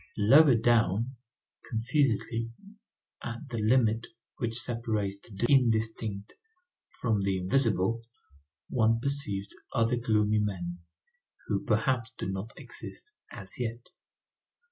Lower down, confusedly, at the limit which separates the indistinct from the invisible, one perceives other gloomy men, who perhaps do not exist as yet.